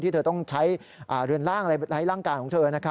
เธอต้องใช้เรือนร่างไร้ร่างกายของเธอ